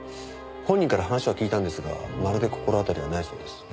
本人から話を聞いたんですがまるで心当たりはないそうです。